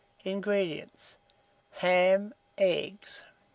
INGREDIENTS. Ham; eggs.